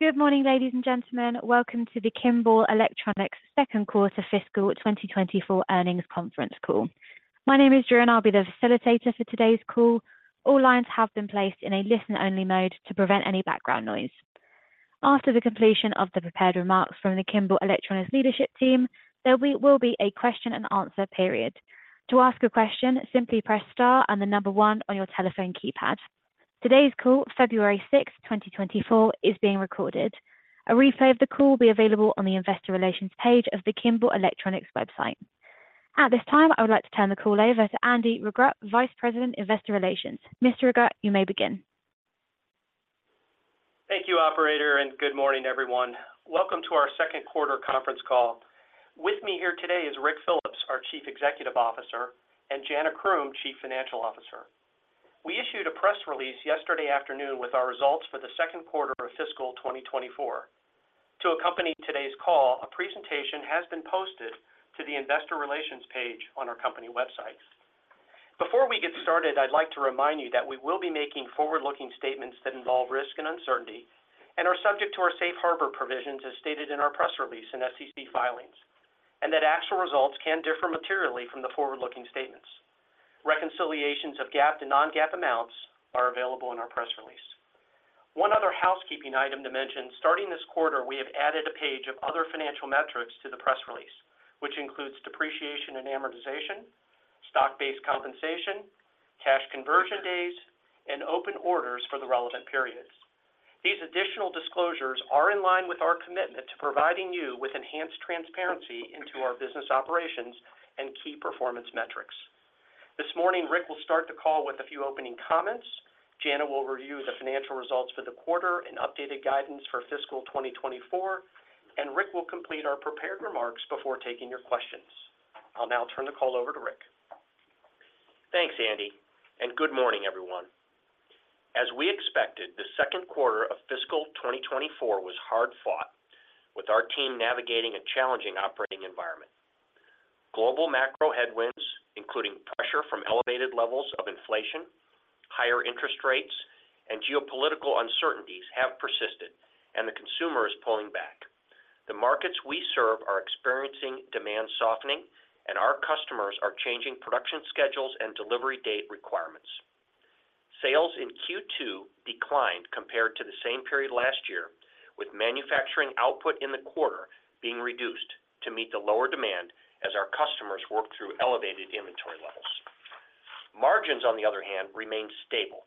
Good morning, ladies and gentlemen. Welcome to the Kimball Electronics second quarter fiscal 2024 earnings conference call. My name is Drew, and I'll be the facilitator for today's call. All lines have been placed in a listen-only mode to prevent any background noise. After the completion of the prepared remarks from the Kimball Electronics leadership team, there will be a question and answer period. To ask a question, simply press star and the number one on your telephone keypad. Today's call, February 6th, 2024, is being recorded. A replay of the call will be available on the investor relations page of the Kimball Electronics website. At this time, I would like to turn the call over to Andy Regrut, Vice President, Investor Relations. Mr. Regrut, you may begin. Thank you, operator, and good morning, everyone. Welcome to our second quarter conference call. With me here today is Ric Phillips, our Chief Executive Officer, and Jana Croom, Chief Financial Officer. We issued a press release yesterday afternoon with our results for the second quarter of fiscal 2024. To accompany today's call, a presentation has been posted to the investor relations page on our company website. Before we get started, I'd like to remind you that we will be making forward-looking statements that involve risk and uncertainty and are subject to our Safe Harbor provisions, as stated in our press release and SEC filings, and that actual results can differ materially from the forward-looking statements. Reconciliations of GAAP to non-GAAP amounts are available in our press release. One other housekeeping item to mention, starting this quarter, we have added a page of other financial metrics to the press release, which includes depreciation and amortization, stock-based compensation, cash conversion days, and Open Orders for the relevant periods. These additional disclosures are in line with our commitment to providing you with enhanced transparency into our business operations and key performance metrics. This morning, Ric will start the call with a few opening comments. Jana will review the financial results for the quarter and updated guidance for fiscal 2024, and Ric will complete our prepared remarks before taking your questions. I'll now turn the call over to Ric. Thanks, Andy, and good morning, everyone. As we expected, the second quarter of fiscal 2024 was hard-fought, with our team navigating a challenging operating environment. Global macro headwinds, including pressure from elevated levels of inflation, higher interest rates, and geopolitical uncertainties, have persisted, and the consumer is pulling back. The markets we serve are experiencing demand softening, and our customers are changing production schedules and delivery date requirements. Sales in Q2 declined compared to the same period last year, with manufacturing output in the quarter being reduced to meet the lower demand as our customers work through elevated inventory levels. Margins, on the other hand, remained stable,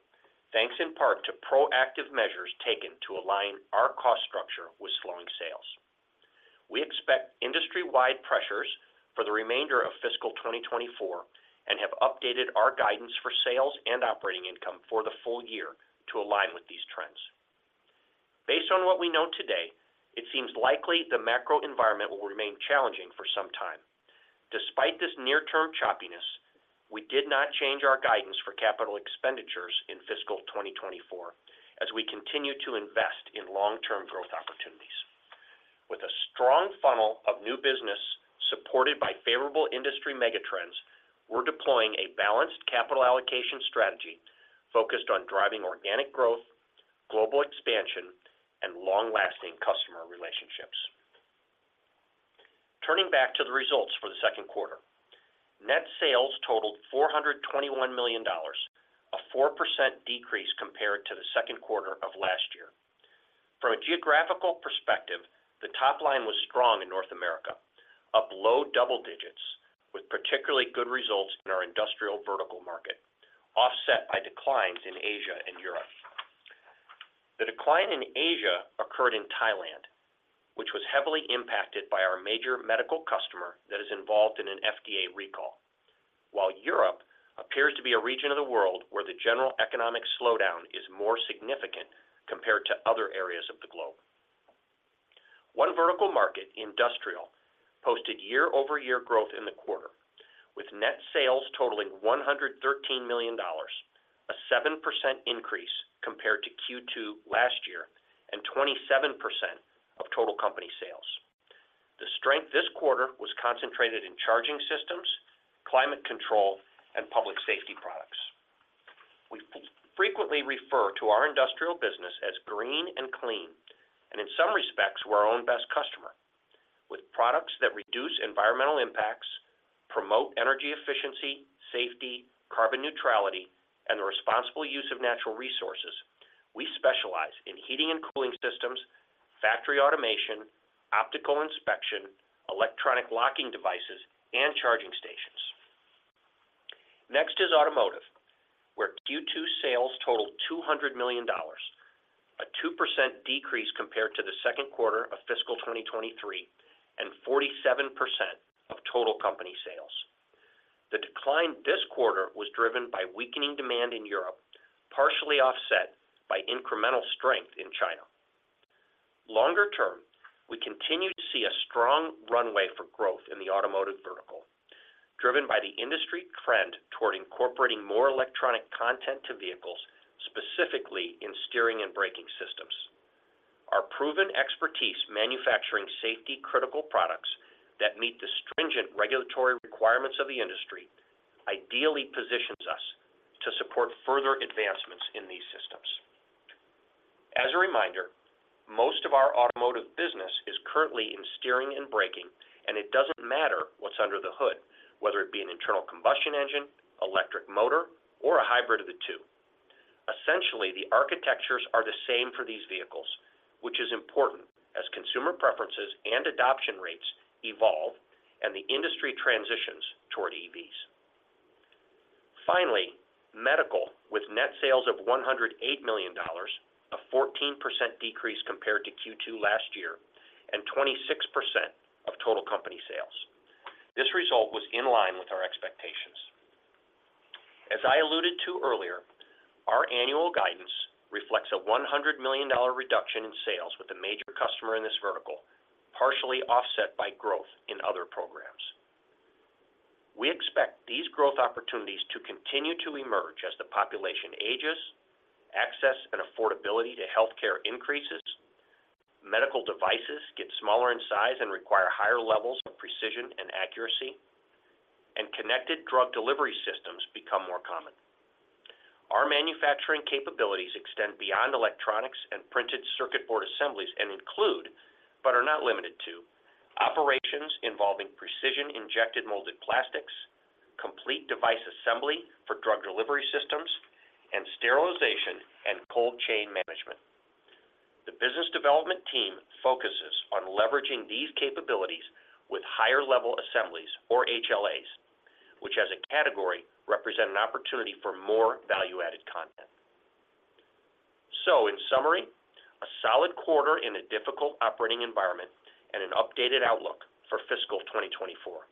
thanks in part to proactive measures taken to align our cost structure with slowing sales. We expect industry-wide pressures for the remainder of fiscal 2024 and have updated our guidance for sales and operating income for the full year to align with these trends. Based on what we know today, it seems likely the macro environment will remain challenging for some time. Despite this near-term choppiness, we did not change our guidance for capital expenditures in fiscal 2024 as we continue to invest in long-term growth opportunities. With a strong funnel of new business supported by favorable industry megatrends, we're deploying a balanced capital allocation strategy focused on driving organic growth, global expansion, and long-lasting customer relationships. Turning back to the results for the second quarter, net sales totaled $421 million, a 4% decrease compared to the second quarter of last year. From a geographical perspective, the top line was strong in North America, up low double digits, with particularly good results in our Industrial vertical market, offset by declines in Asia and Europe. The decline in Asia occurred in Thailand, which was heavily impacted by our major Medical customer that is involved in an FDA recall. While Europe appears to be a region of the world where the general economic slowdown is more significant compared to other areas of the globe. One vertical market, Industrial, posted year-over-year growth in the quarter, with net sales totaling $113 million, a 7% increase compared to Q2 last year and 27% of total company sales. The strength this quarter was concentrated in charging systems, climate control, and public safety products. We frequently refer to our Industrial business as green and clean, and in some respects, we're our own best customer. With products that reduce environmental impacts, promote energy efficiency, safety, carbon neutrality, and the responsible use of natural resources, we specialize in heating and cooling systems, factory automation, optical inspection, electronic locking devices, and charging stations. Next is Automotive, where Q2 sales totaled $200 million, a 2% decrease compared to the second quarter of fiscal 2023 and 47% of total company sales. The decline this quarter was driven by weakening demand in Europe, partially offset by incremental strength in China. Longer term, we continue to see a strong runway for growth in the Automotive vertical, driven by the industry trend toward incorporating more electronic content to vehicles, specifically in steering and braking systems. Our proven expertise manufacturing safety-critical products that meet the stringent regulatory requirements of the industry ideally positions us to support further advancements in these systems. As a reminder, most of our Automotive business is currently in steering and braking, and it doesn't matter what's under the hood, whether it be an internal combustion engine, electric motor, or a hybrid of the two. Essentially, the architectures are the same for these vehicles, which is important as consumer preferences and adoption rates evolve and the industry transitions toward EVs. Finally, Medical, with net sales of $108 million, a 14% decrease compared to Q2 last year, and 26% of total company sales. This result was in line with our expectations. As I alluded to earlier, our annual guidance reflects a $100 million reduction in sales with a major customer in this vertical, partially offset by growth in other programs. We expect these growth opportunities to continue to emerge as the population ages, access and affordability to healthcare increases, Medical devices get smaller in size and require higher levels of precision and accuracy, and connected drug delivery systems become more common. Our manufacturing capabilities extend beyond electronics and printed circuit board assemblies and include, but are not limited to, operations involving precision injection-molded plastics, complete device assembly for drug delivery systems, and sterilization and cold chain management. The business development team focuses on leveraging these capabilities with Higher Level Assemblies or HLAs, which, as a category, represent an opportunity for more value-added content. So in summary, a solid quarter in a difficult operating environment and an updated outlook for fiscal 2024.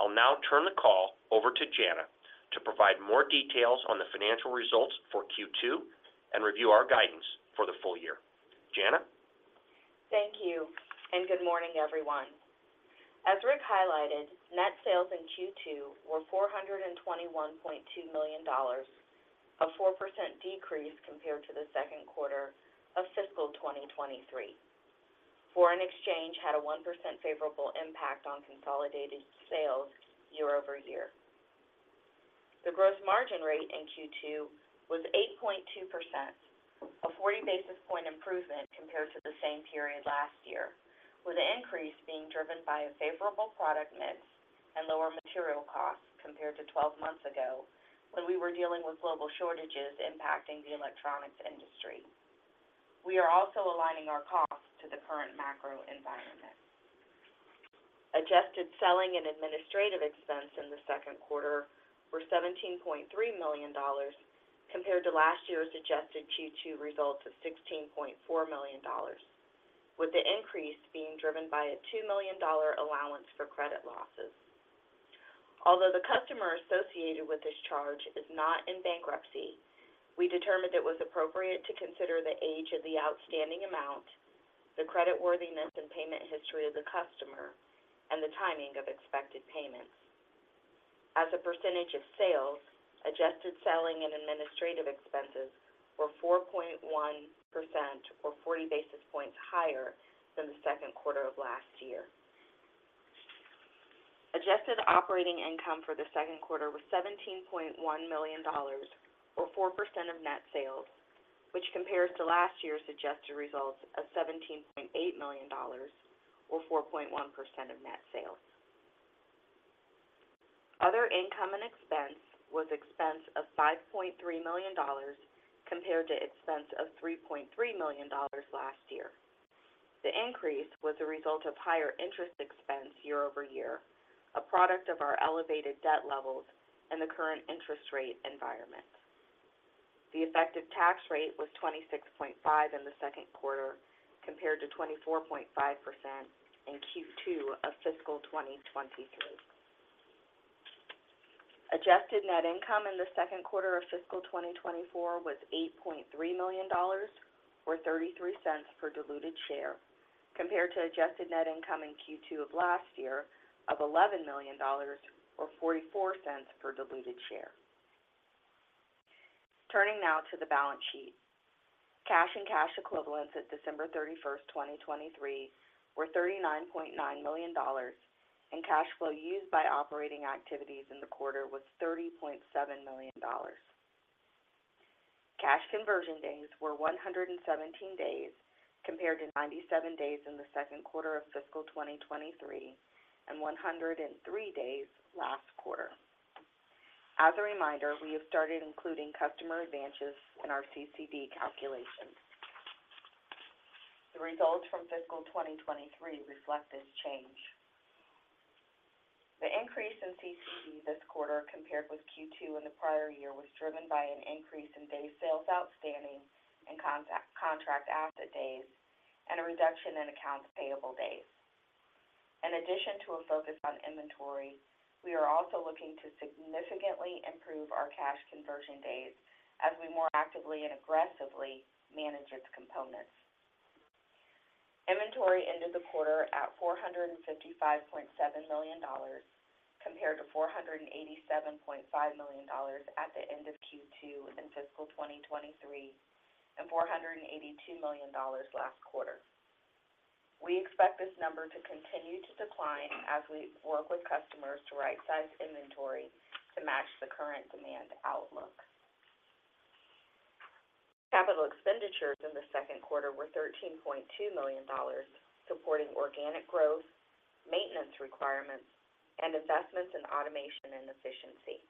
I'll now turn the call over to Jana to provide more details on the financial results for Q2 and review our guidance for the full year. Jana? Thank you, and good morning, everyone. As Ric highlighted, net sales in Q2 were $421.2 million, a 4% decrease compared to the second quarter of fiscal 2023. Foreign exchange had a 1% favorable impact on consolidated sales year-over-year. The gross margin rate in Q2 was 8.2%, a 40 basis point improvement compared to the same period last year, with the increase being driven by a favorable product mix and lower material costs compared to 12 months ago, when we were dealing with global shortages impacting the electronics industry. We are also aligning our costs to the current macro environment. Adjusted selling and administrative expenses in the second quarter were $17.3 million, compared to last year's adjusted Q2 results of $16.4 million, with the increase being driven by a $2 million allowance for credit losses. Although the customer associated with this charge is not in bankruptcy, we determined it was appropriate to consider the age of the outstanding amount, the creditworthiness and payment history of the customer, and the timing of expected payments. As a percentage of sales, adjusted selling and administrative expenses were 4.1%, or 40 basis points higher than the second quarter of last year. Adjusted operating income for the second quarter was $17.1 million, or 4% of net sales, which compares to last year's adjusted results of $17.8 million, or 4.1% of net sales. Other income and expense was expense of $5.3 million, compared to expense of $3.3 million last year. The increase was a result of higher interest expense year-over-year, a product of our elevated debt levels, and the current interest rate environment. The effective tax rate was 26.5% in the second quarter, compared to 24.5% in Q2 of fiscal 2023. Adjusted net income in the second quarter of fiscal 2024 was $8.3 million, or $0.33 per diluted share, compared to adjusted net income in Q2 of last year of $11 million, or $0.44 per diluted share. Turning now to the balance sheet. Cash and cash equivalents at December 31st, 2023, were $39.9 million, and cash flow used by operating activities in the quarter was $30.7 million. Cash conversion days were 117 days, compared to 97 days in the second quarter of fiscal 2023 and 103 days last quarter. As a reminder, we have started including customer advances in our CCD calculations. The results from fiscal 2023 reflect this change. The increase in CCD this quarter compared with Q2 in the prior year was driven by an increase in Day Sales Outstanding and Contract Asset Days and a reduction in Accounts Payable Days. In addition to a focus on inventory, we are also looking to significantly improve our cash conversion days as we more actively and aggressively manage its components. Inventory ended the quarter at $455.7 million, compared to $487.5 million at the end of Q2 in fiscal 2023, and $482 million last quarter. We expect this number to continue to decline as we work with customers to right-size inventory to match the current demand outlook. Capital expenditures in the second quarter were $13.2 million, supporting organic growth, maintenance requirements, and investments in automation and efficiency.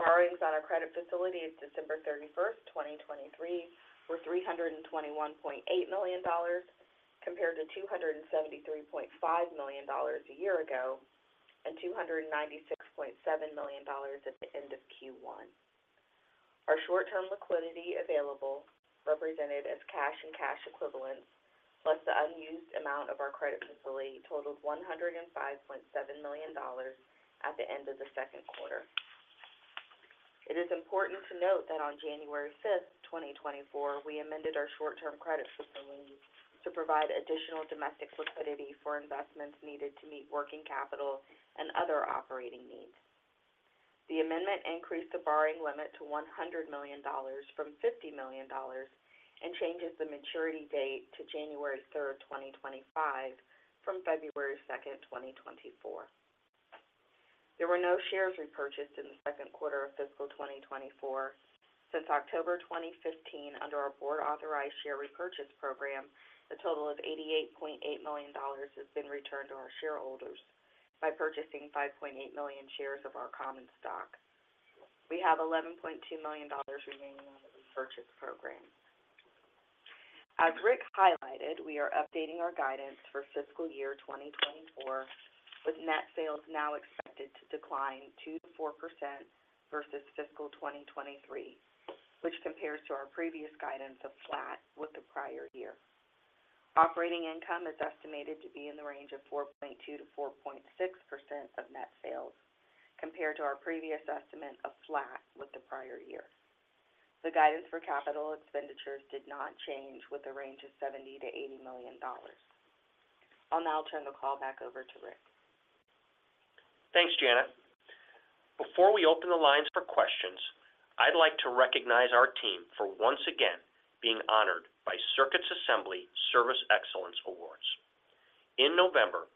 Borrowings on our credit facilities, December 31st, 2023, were $321.8 million, compared to $273.5 million a year ago, and $296.7 million at the end of Q1. Our short-term liquidity available, represented as cash and cash equivalents, plus the unused amount of our credit facility, totaled $105.7 million at the end of the second quarter. It is important to note that on January 5th, 2024, we amended our short-term credit facility to provide additional domestic liquidity for investments needed to meet working capital and other operating needs. The amendment increased the borrowing limit to $100 million from $50 million and changes the maturity date to January 3rd, 2025, from February 2nd, 2024. There were no shares repurchased in the second quarter of fiscal 2024. Since October 2015, under our board authorized share repurchase program, a total of $88.8 million has been returned to our shareholders by purchasing 5.8 million shares of our common stock. We have $11.2 million remaining on the repurchase program. As Ric highlighted, we are updating our guidance for fiscal year 2024, with net sales now expected to decline 2%-4% versus fiscal 2023, which compares to our previous guidance of flat with the prior year. Operating income is estimated to be in the range of 4.2%-4.6% of net sales, compared to our previous estimate of flat with the prior year. The guidance for capital expenditures did not change with a range of $70 million-$80 million. I'll now turn the call back over to Ric. Thanks, Jana. Before we open the lines for questions, I'd like to recognize our team for once again being honored by Circuits Assembly's Service Excellence Awards. In November,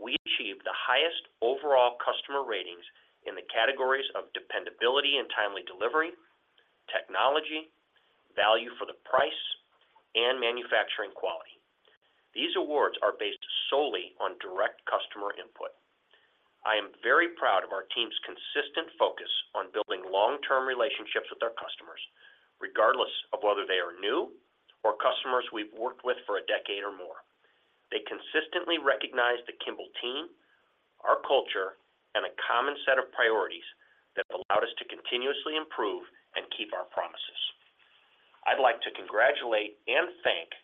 we achieved the highest overall customer ratings in the categories of dependability and timely delivery, technology, value for the price, and manufacturing quality. These awards are based solely on direct customer input. I am very proud of our team's consistent focus on building long-term relationships with our customers, regardless of whether they are new or customers we've worked with for a decade or more. They consistently recognize the Kimball team, our culture, and a common set of priorities that have allowed us to continuously improve and keep our promises. I'd like to congratulate and thank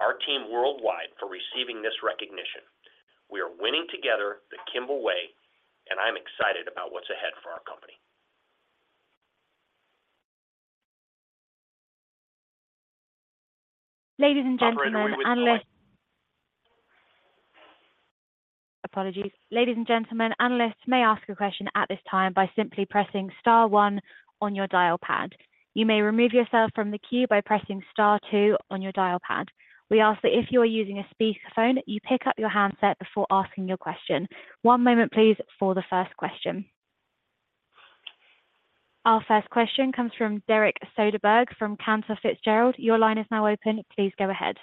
our team worldwide for receiving this recognition. We are winning together the Kimball way, and I'm excited about what's ahead for our company. Ladies and gentlemen, analysts. Apologies. Ladies and gentlemen, analysts may ask a question at this time by simply pressing star one on your dial pad. You may remove yourself from the queue by pressing star two on your dial pad. We ask that if you are using a speakerphone, you pick up your handset before asking your question. One moment, please, for the first question. Our first question comes from Derek Soderberg from Cantor Fitzgerald. Your line is now open. Please go ahead.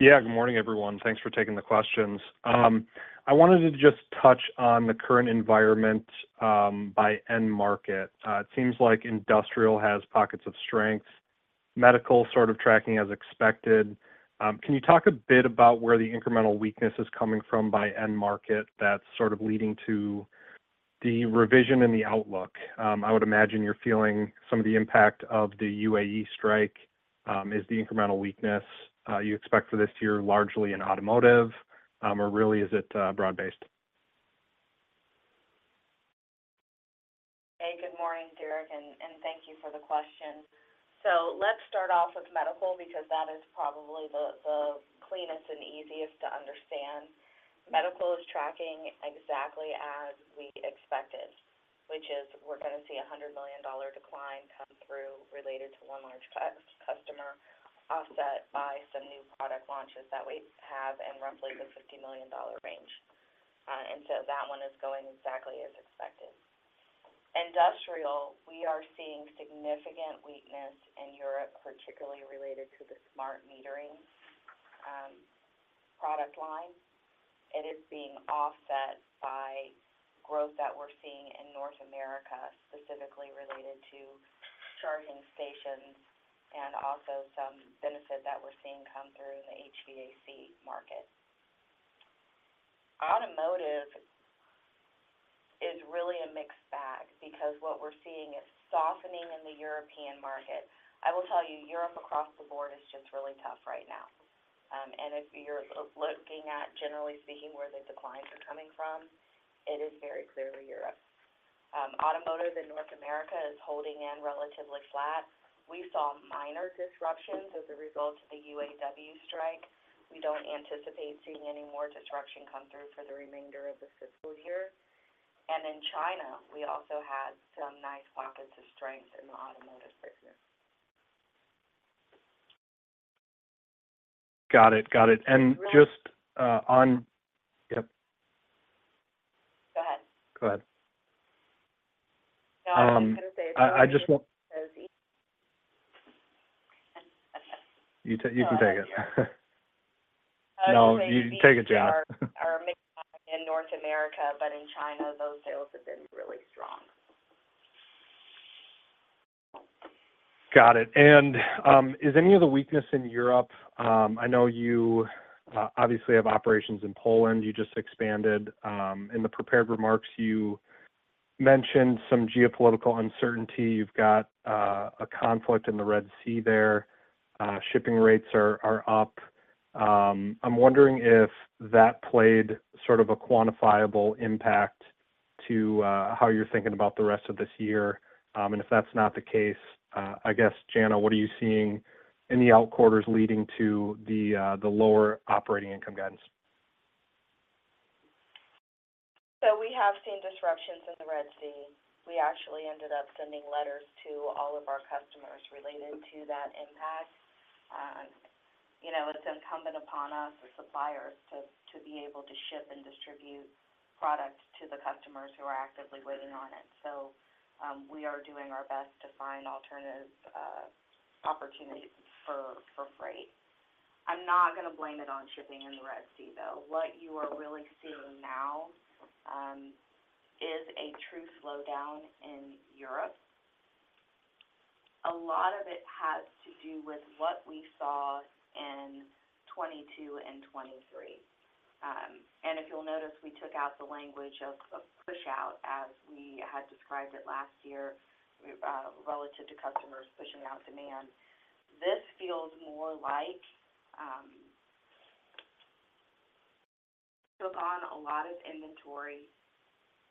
Yeah, good morning, everyone. Thanks for taking the questions. I wanted to just touch on the current environment, by end market. It seems like Industrial has pockets of strength, Medical sort of tracking as expected. Can you talk a bit about where the incremental weakness is coming from by end market that's sort of leading to the revision in the outlook? I would imagine you're feeling some of the impact of the UAW strike. Is the incremental weakness you expect for this year largely in Automotive? Or really is it, broad-based? Hey, good morning, Derek, and thank you for the question. So let's start off with Medical, because that is probably the cleanest and easiest to understand. Medical is tracking exactly as we expected, which is we're going to see a $100 million decline come through related to one large customer, offset by some new product launches that we have in roughly the $50 million range. And so that one is going exactly as expected. Industrial, we are seeing significant weakness in Europe, particularly related to the smart metering product line. It is being offset by growth that we're seeing in North America, specifically related to charging stations and also some benefit that we're seeing come through in the HVAC market. Automotive is really a mixed bag because what we're seeing is softening in the European market. I will tell you, Europe across the board is just really tough right now. If you're looking at, generally speaking, where the declines are coming from, it is very clear to Europe. Automotive in North America is holding in relatively flat. We saw minor disruptions as a result of the UAW strike. We don't anticipate seeing any more disruption come through for the remainder of the fiscal year. In China, we also had some nice pockets of strength in the Automotive business. Got it. Got it. And just, Yep. Go ahead. Go ahead. No, I was gonna say- You can take it. No, you take it, Jana. Are mixed in North America, but in China, those sales have been really strong. Got it. Is any of the weakness in Europe? I know you obviously have operations in Poland. You just expanded. In the prepared remarks, you mentioned some geopolitical uncertainty. You've got a conflict in the Red Sea there. Shipping rates are up. I'm wondering if that played sort of a quantifiable impact to how you're thinking about the rest of this year. And if that's not the case, I guess, Jana, what are you seeing in the out quarters leading to the lower operating income guidance? So we have seen disruptions in the Red Sea. We actually ended up sending letters to all of our customers related to that impact. You know, it's incumbent upon us as suppliers to, to be able to ship and distribute product to the customers who are actively waiting on it. So, we are doing our best to find alternative, opportunities for, for freight. I'm not gonna blame it on shipping in the Red Sea, though. What you are really seeing now, is a true slowdown in Europe. A lot of it has to do with what we saw in 2022 and 2023. And if you'll notice, we took out the language of, of pushout as we had described it last year, relative to customers pushing out demand. This feels more like, took on a lot of inventory.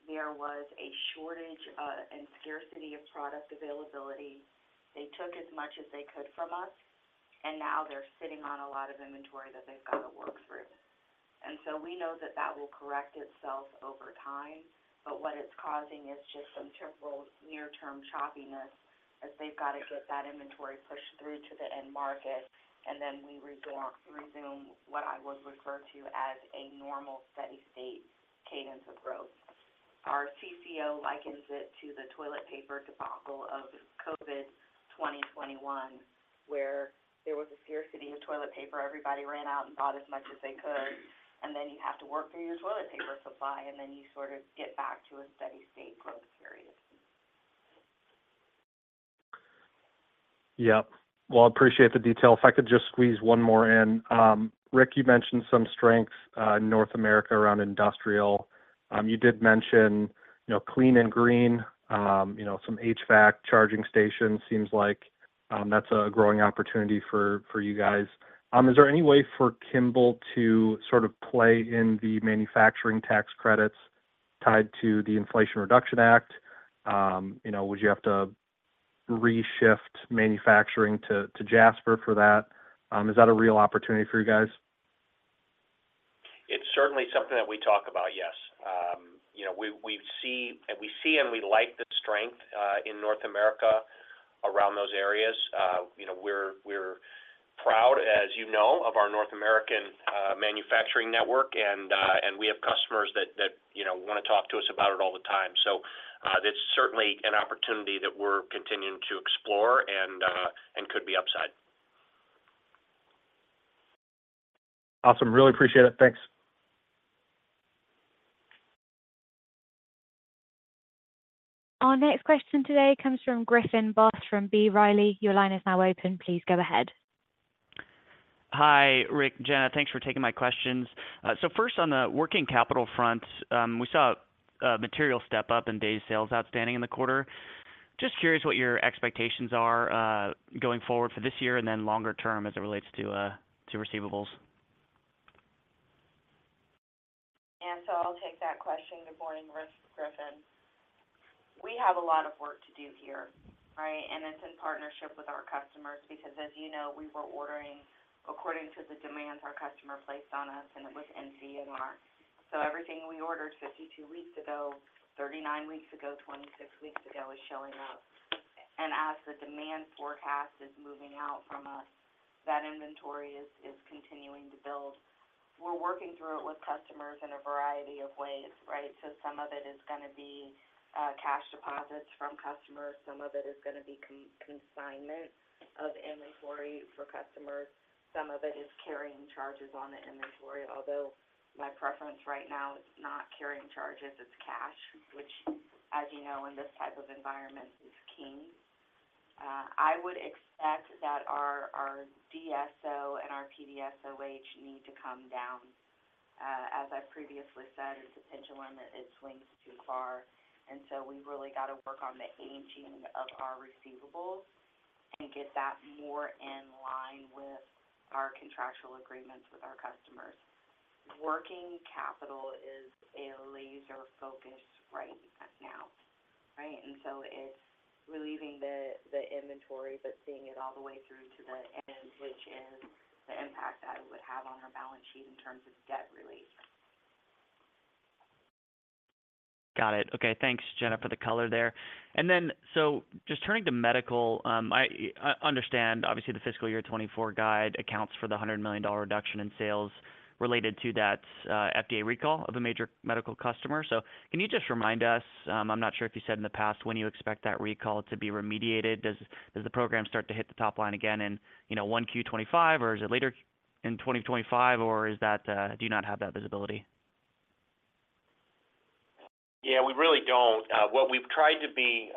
There was a shortage and scarcity of product availability. They took as much as they could from us, and now they're sitting on a lot of inventory that they've got to work through. And so we know that that will correct itself over time, but what it's causing is just some temporal near-term choppiness as they've got to get that inventory pushed through to the end market, and then we resume what I would refer to as a normal, steady state cadence of growth. Our CCO likens it to the toilet paper debacle of COVID 2021, where there was a scarcity of toilet paper. Everybody ran out and bought as much as they could, and then you have to work through your toilet paper supply, and then you sort of get back to a steady state growth period. Yep. Well, I appreciate the detail. If I could just squeeze one more in. Ric, you mentioned some strengths in North America around Industrial. You did mention, you know, Clean and Green, you know, some HVAC charging stations. Seems like that's a growing opportunity for, for you guys. Is there any way for Kimball to sort of play in the manufacturing tax credits tied to the Inflation Reduction Act? You know, would you have to reshift manufacturing to, to Jasper for that? Is that a real opportunity for you guys? It's certainly something that we talk about, yes. You know, we see and we like the strength in North America around those areas. You know, we're proud, as you know, of our North American manufacturing network, and we have customers that, you know, want to talk to us about it all the time. So, it's certainly an opportunity that we're continuing to explore and could be upside. Awesome. Really appreciate it. Thanks. Our next question today comes from Griffin Boss from B. Riley. Your line is now open. Please go ahead. Hi, Ric, Jana. Thanks for taking my questions. So first on the working capital front, we saw a material step up in Days Sales Outstanding in the quarter. Just curious what your expectations are, going forward for this year and then longer term as it relates to receivables. I'll take that question. Good morning, Griffin. We have a lot of work to do here, right? It's in partnership with our customers, because, as you know, we were ordering according to the demands our customer placed on us, and it was NCNR. So everything we ordered 52 weeks ago, 39 weeks ago, 26 weeks ago, is showing up. And as the demand forecast is moving out from us, that inventory is continuing to build. We're working through it with customers in a variety of ways, right? So some of it is gonna be cash deposits from customers, some of it is gonna be consignment of inventory for customers. Some of it is carrying charges on the inventory, although my preference right now is not carrying charges, it's cash, which, as you know, in this type of environment, is king. I would expect that our, our DSO and our PDSOH need to come down. As I previously said, it's a pendulum that it swings too far, and so we've really got to work on the aging of our receivables and get that more in line with our contractual agreements with our customers. Working capital is a laser focus right now, right? And so it's relieving the, the inventory, but seeing it all the way through to the end, which is the impact that it would have on our balance sheet in terms of debt relief. Got it. Okay, thanks, Jana, for the color there. And then, so just turning to Medical, I understand obviously the fiscal year 2024 guide accounts for the $100 million reduction in sales related to that FDA recall of a major Medical customer. So can you just remind us, I'm not sure if you said in the past, when you expect that recall to be remediated? Does the program start to hit the top line again in, you know, 1Q 2025, or is it later in 2025, or is that, do you not have that visibility? Yeah, we really don't. What we've tried to be,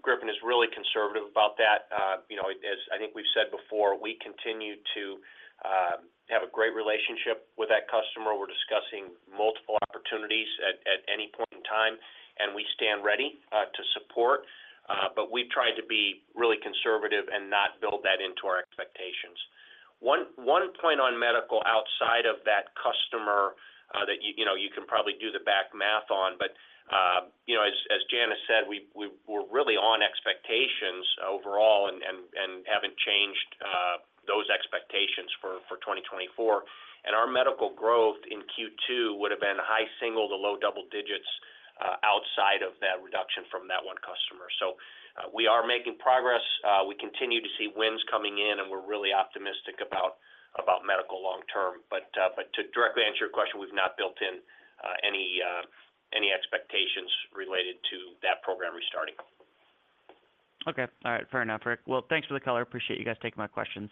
Griffin, is really conservative about that. You know, as I think we've said before, we continue to have a great relationship with that customer. We're discussing multiple opportunities at any point in time, and we stand ready to support, but we've tried to be really conservative and not build that into our expectations. One point on Medical outside of that customer, that you know you can probably do the back math on, but you know, as Jana said, we're really on expectations overall and haven't changed those expectations for 2024. And our Medical growth in Q2 would have been high single- to low double-digit outside of that reduction from that one customer. So, we are making progress. We continue to see wins coming in, and we're really optimistic about Medical long term. But to directly answer your question, we've not built in any expectations related to that program restarting. Okay. All right. Fair enough, Ric. Well, thanks for the color. Appreciate you guys taking my questions.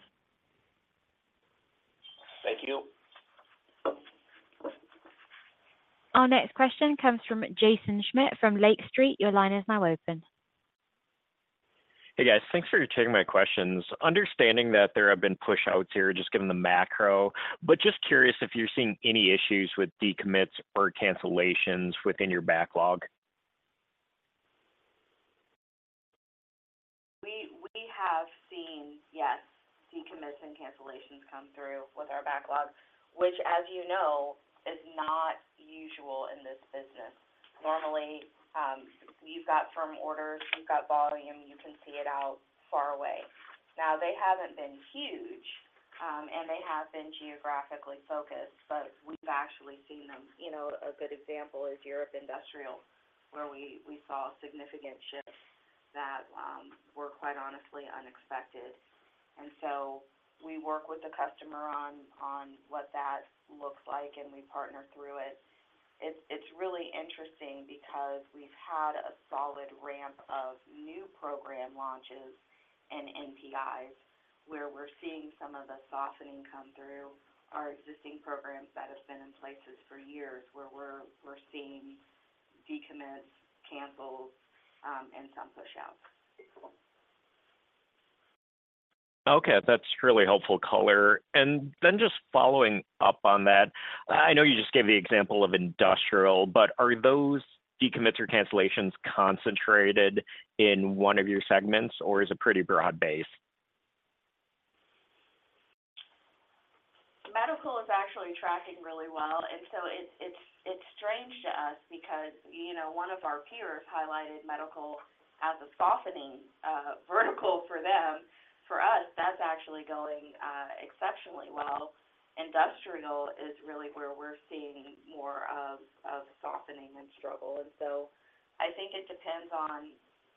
Thank you. Our next question comes from Jaeson Schmidt from Lake Street. Your line is now open. Hey, guys. Thanks for taking my questions. Understanding that there have been pushouts here, just given the macro, but just curious if you're seeing any issues with decommits or cancellations within your backlog? We have seen, yes, decommits and cancellations come through with our backlog, which, as you know, is not usual in this business. Normally, you've got firm orders, you've got volume, you can see it out far away. Now, they haven't been huge, and they have been geographically focused, but we've actually seen them. You know, a good example is Europe Industrial, where we saw significant shifts that were, quite honestly, unexpected. And so we work with the customer on what that looks like, and we partner through it. It's really interesting because we've had a solid ramp of new program launches and NPIs, where we're seeing some of the softening come through our existing programs that have been in place for years, where we're seeing decommits, cancels, and some pushouts. Okay, that's really helpful color. And then just following up on that, I know you just gave the example of Industrial, but are those decommits or cancellations concentrated in one of your segments, or is it pretty broad-based? Medical is actually tracking really well, and so it's strange to us because, you know, one of our peers highlighted Medical as a softening vertical for them. For us, that's actually going exceptionally well. Industrial is really where we're seeing more of softening and struggle. And so I think it depends on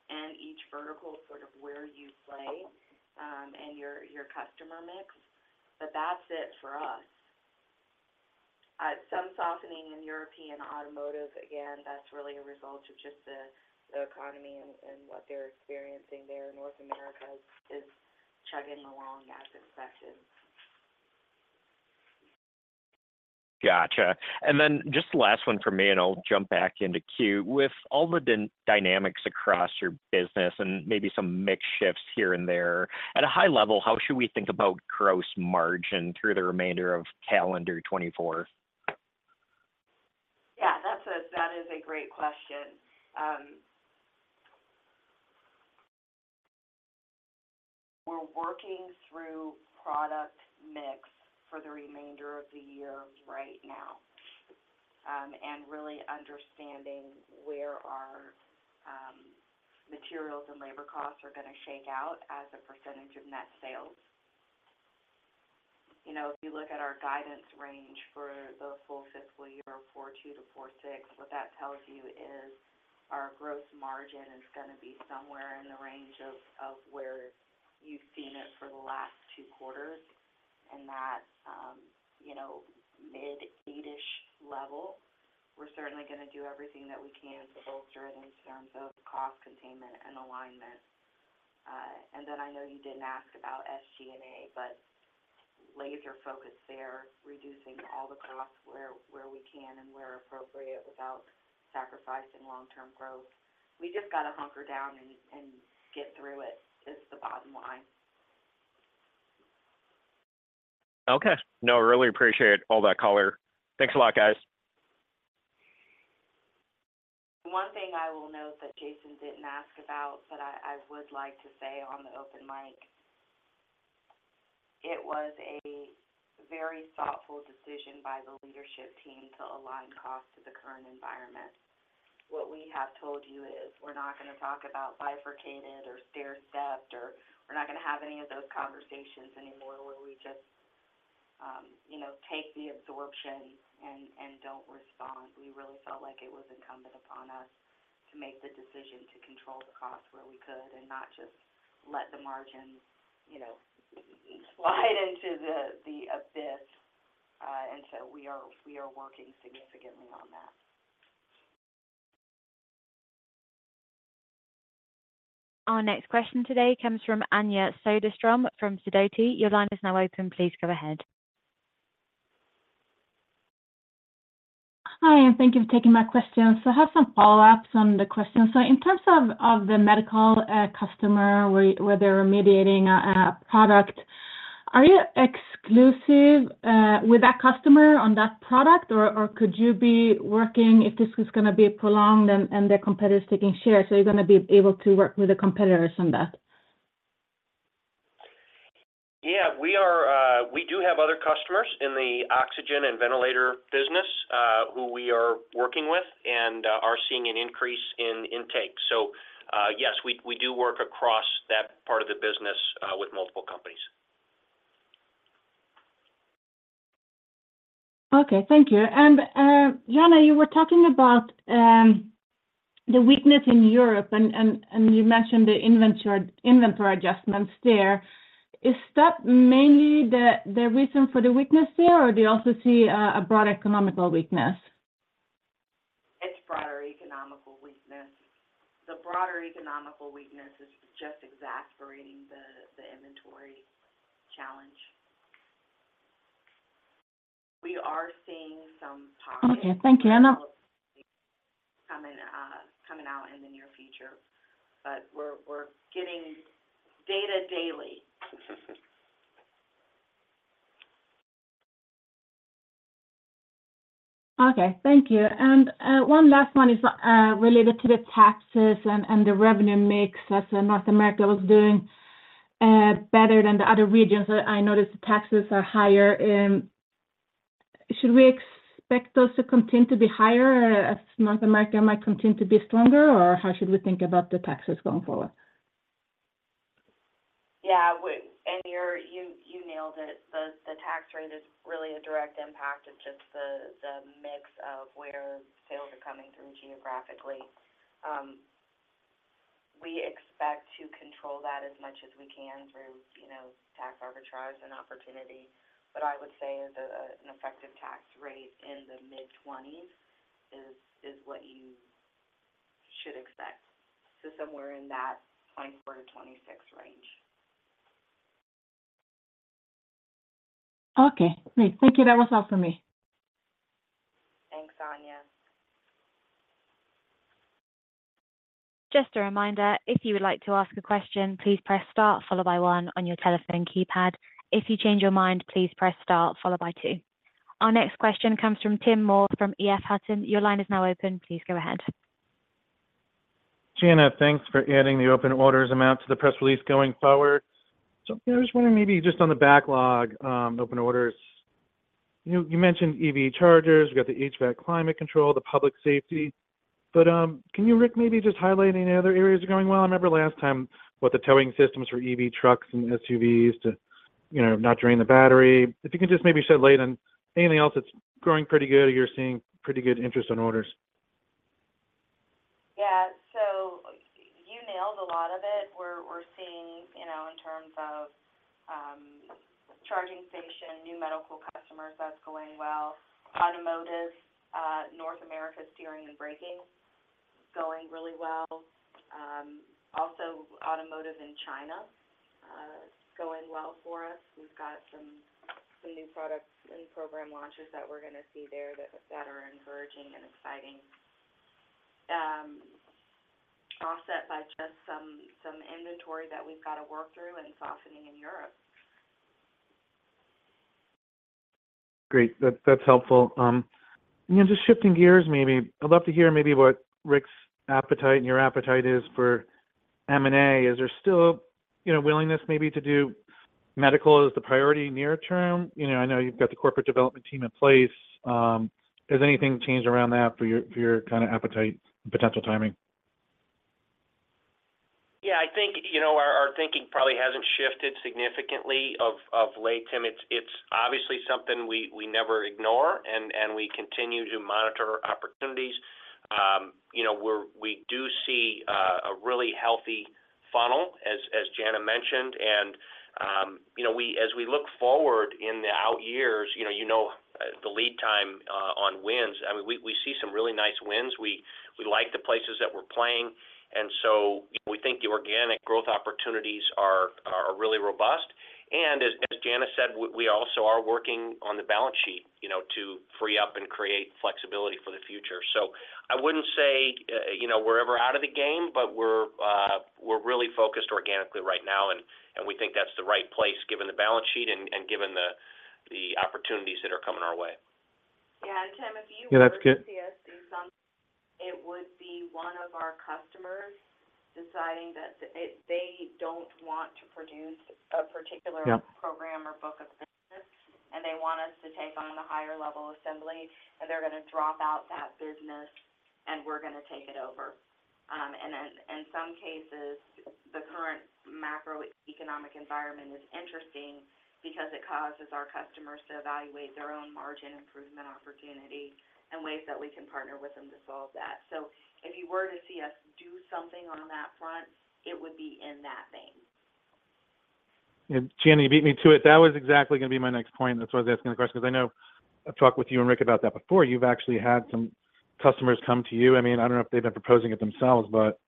in each vertical, sort of where you play and your customer mix. But that's it for us. Some softening in European Automotive, again, that's really a result of just the economy and what they're experiencing there. North America is chugging along as expected. Gotcha. And then just the last one for me, and I'll jump back into queue. With all the dynamics across your business and maybe some mix shifts here and there, at a high level, how should we think about gross margin through the remainder of calendar 2024? Yeah, that's a great question. That is a great question. We're working through product mix for the remainder of the year right now, and really understanding where our materials and labor costs are gonna shake out as a percentage of net sales. You know, if you look at our guidance range for the full fiscal year, 4.2%-4.6%, what that tells you is our gross margin is gonna be somewhere in the range of where you've seen it for the last two quarters, and that you know, mid-8-ish level. We're certainly gonna do everything that we can to bolster it in terms of cost containment and alignment. And then I know you didn't ask about SG&A, but laser focus there, reducing all the costs where we can and where appropriate without sacrificing long-term growth. We just got to hunker down and get through it, is the bottom line. Okay. No, I really appreciate all that color. Thanks a lot, guys. One thing I will note that Jaeson didn't ask about, but I, I would like to say on the open mic. It was a very thoughtful decision by the leadership team to align cost to the current environment. What we have told you is we're not going to talk about bifurcated or stairstepped, or we're not going to have any of those conversations anymore, where we just, you know, take the absorption and, and don't respond. We really felt like it was incumbent upon us to make the decision to control the cost where we could and not just let the margin, you know, slide into the, the abyss. And so we are, we are working significantly on that. Our next question today comes from Anja Soderstrom from Sidoti. Your line is now open. Please go ahead. Hi, and thank you for taking my question. So I have some follow-ups on the question. So in terms of of the Medical customer, where they're remediating a product, are you exclusive with that customer on that product, or could you be working if this was going to be prolonged and their competitors taking share? So are you going to be able to work with the competitors on that? Yeah, we are, we do have other customers in the oxygen and ventilator business, who we are working with and are seeing an increase in intake. So, yes, we, we do work across that part of the business, with multiple companies. Okay, thank you. And, Jana, you were talking about the weakness in Europe and you mentioned the inventory adjustments there. Is that mainly the reason for the weakness there, or do you also see a broad economic weakness? It's broader economic weakness. The broader economic weakness is just exacerbating the inventory challenge. We are seeing some pockets- Okay, thank you. I know- Coming out in the near future, but we're getting data daily. Okay, thank you. And, one last one is related to the taxes and the revenue mix, as North America was doing better than the other regions. I noticed the taxes are higher. Should we expect those to continue to be higher as North America might continue to be stronger, or how should we think about the taxes going forward? Yeah, we and you're you nailed it. The tax rate is really a direct impact of just the mix of where sales are coming from geographically. We expect to control that as much as we can through, you know, tax arbitrage and opportunity. But I would say an effective tax rate in the mid-20s is what you should expect. So somewhere in that 24%-26% range. Okay, great. Thank you. That was all for me. Thanks, Anja. Just a reminder, if you would like to ask a question, please press star followed by one on your telephone keypad. If you change your mind, please press star followed by two. Our next question comes from Tim Moore from EF Hutton. Your line is now open. Please go ahead. Jana, thanks for adding the Open Orders amount to the press release going forward. So I was wondering, maybe just on the backlog, Open Orders. You mentioned EV Chargers, you got the HVAC Climate Control, the Public Safety. But, can you, Ric, maybe just highlight any other areas are going well? I remember last time with the towing systems for EV trucks and SUVs to, you know, not drain the battery. If you can just maybe shed light on anything else that's growing pretty good, or you're seeing pretty good interest in orders. Yeah. So you nailed a lot of it. We're seeing, you know, in terms of charging station, new Medical customers, that's going well. Automotive, North America steering and braking going really well. Also Automotive in China is going well for us. We've got some new products and program launches that we're going to see there that are encouraging and exciting, offset by just some inventory that we've got to work through and softening in Europe. Great. That's, that's helpful. You know, just shifting gears, maybe. I'd love to hear maybe what Ric's appetite and your appetite is for M&A. Is there still, you know, willingness maybe to do Medical as the priority near term? You know, I know you've got the corporate development team in place. Has anything changed around that for your, for your kind of appetite and potential timing? Yeah, I think, you know, our thinking probably hasn't shifted significantly of late, Tim. It's obviously something we never ignore, and we continue to monitor opportunities. You know, we do see a really healthy funnel, as Jana mentioned, and, you know, as we look forward in the out years, you know, the lead time on wins, I mean, we see some really nice wins. We like the places that we're playing, and so we think the organic growth opportunities are really robust. And as Jana said, we also are working on the balance sheet, you know, to free up and create flexibility for the future. So I wouldn't say, you know, we're ever out of the game, but we're really focused organically right now, and we think that's the right place, given the balance sheet and given the opportunities that are coming our way. Yeah, Tim, if you want to see it- Yeah, that's good.... one of our customers deciding that they don't want to produce a particular- Yeah -program or book of business, and they want us to take on the higher level assembly, and they're gonna drop out that business, and we're gonna take it over. Then in some cases, the current macroeconomic environment is interesting because it causes our customers to evaluate their own margin improvement opportunity and ways that we can partner with them to solve that. So if you were to see us do something on that front, it would be in that vein. And Jana, you beat me to it. That was exactly gonna be my next point. That's why I was asking the question, 'cause I know I've talked with you and Ric about that before. You've actually had some customers come to you. I mean, I don't know if they've been proposing it themselves, but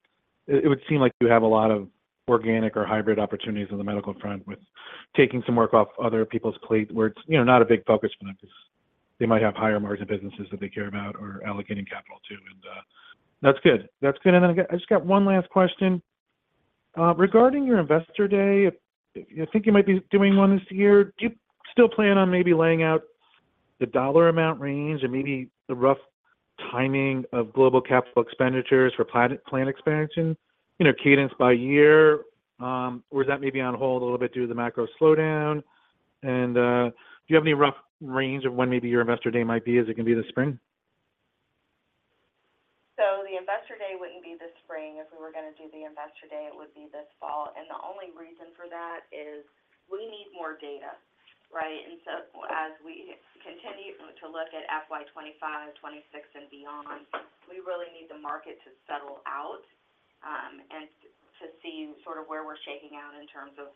it, it would seem like you have a lot of organic or hybrid opportunities on the Medical front with taking some work off other people's plate, where it's, you know, not a big focus for them because they might have higher margin businesses that they care about or allocating capital to. And that's good. That's good. And then I just got one last question. Regarding your Investor Day, if you think you might be doing one this year, do you still plan on maybe laying out the dollar amount range or maybe the rough timing of global capital expenditures for plant expansion, you know, cadence by year? Or is that maybe on hold a little bit due to the macro slowdown? Do you have any rough range of when maybe your Investor Day might be? Is it gonna be this spring? So the Investor Day wouldn't be this spring. If we were gonna do the Investor Day, it would be this fall. The only reason for that is we need more data, right? As we continue to look at FY 2025, 2026, and beyond, we really need the market to settle out and to see sort of where we're shaking out in terms of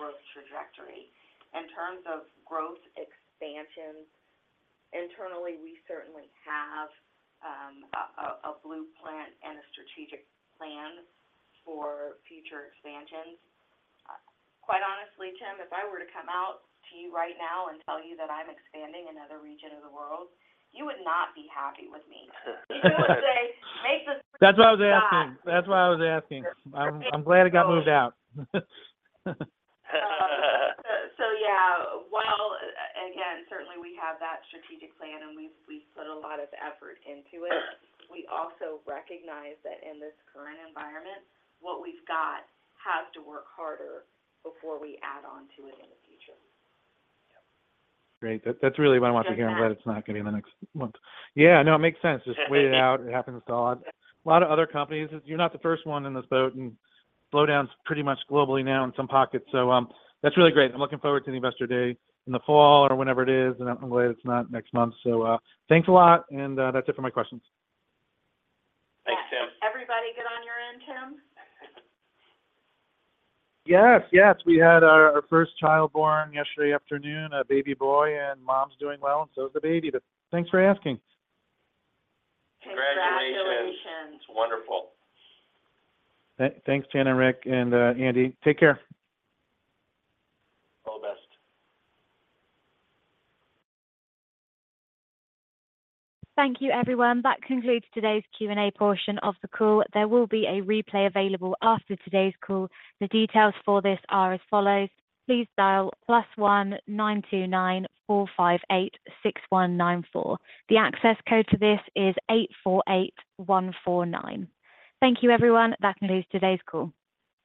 growth trajectory. In terms of growth expansion, internally, we certainly have a blueprint and a strategic plan for future expansions. Quite honestly, Tim, if I were to come out to you right now and tell you that I'm expanding another region of the world, you would not be happy with me. You would say, "Make the- That's why I was asking. That's why I was asking. I'm glad it got moved out. So yeah, while again, certainly we have that strategic plan and we've put a lot of effort into it, we also recognize that in this current environment, what we've got has to work harder before we add on to it in the future. Great. That's really what I wanted to hear. I'm glad it's not gonna be in the next month. Yeah, no, it makes sense. Just wait it out. It happens to a lot, a lot of other companies. You're not the first one in this boat, and slowdown's pretty much globally now in some pockets. So, that's really great. I'm looking forward to the Investor Day in the fall or whenever it is, and I'm glad it's not next month. So, thanks a lot, and, that's it for my questions. Thanks, Tim. Everybody good on your end, Tim? Yes, yes. We had our, our first child born yesterday afternoon, a baby boy, and mom's doing well, and so is the baby. But thanks for asking. Congratulations. Congratulations. That's wonderful. Thanks, Jana, Ric, and Andy. Take care. All the best. Thank you, everyone. That concludes today's Q&A portion of the call. There will be a replay available after today's call. The details for this are as follows: Please dial +1-929-458-6194. The access code to this is 848149. Thank you, everyone. That concludes today's call.